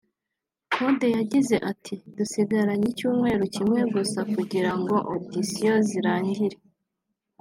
Kode yagize ati " Dusigaranye icyumweru kimwe gusa kugirango auditions zirangire